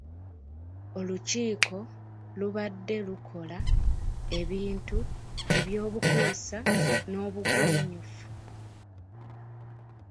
Olukiiko lubadde lukola ebintu eby’obukuusa n’obugwenyufu.